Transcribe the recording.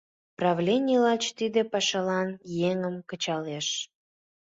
Правлений лач тиде пашалан еҥым кычалеш.